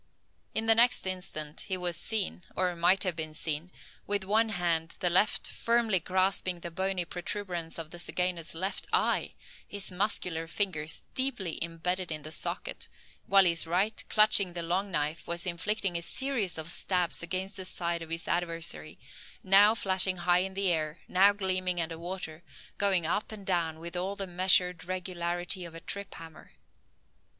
In the next instant he was seen, or might have been seen, with one hand, the left, firmly grasping the bony protuberance of the zygaena's left eye, his muscular fingers deeply imbedded in the socket, while his right, clutching the long knife, was inflicting a series of stabs against the side of his adversary, now flashing high in the air, now gleaming under water, going up and down with all the measured regularity of a trip hammer.